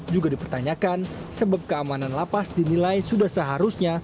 juga dipertanyakan sebab keamanan lapas dinilai sudah seharusnya